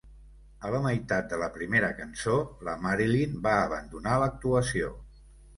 A la meitat de la primera cançó, la Marilyn va abandonar l'actuació.